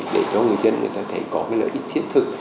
để cho người dân người ta thấy có cái lợi ích thiết thực